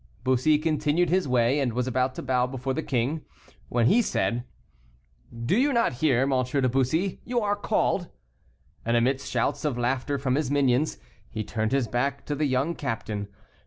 Bussy continued his way, and was about to bow before the king, when he said: "Do you not hear, M. de Bussy, you are called?" and, amidst shouts of laughter from his minions, he turned his back to the young captain.